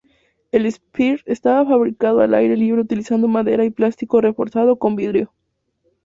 El "Spirit" estaba fabricado al aire libre utilizando madera y plástico reforzado con vidrio.